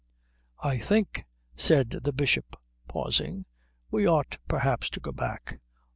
"I think," said the Bishop pausing, "we ought perhaps to go back."